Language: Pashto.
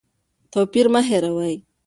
توپیر مه هېروئ.